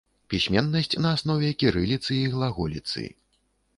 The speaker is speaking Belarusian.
Пісьменнасць на аснове кірыліцы і глаголіцы.